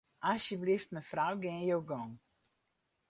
Asjebleaft mefrou, gean jo gong.